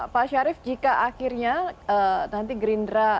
pak syarif jika akhirnya nanti gerindra